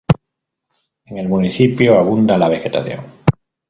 En el municipio abunda la vegetación.